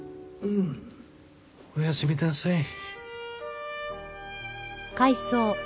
おやすみなさい。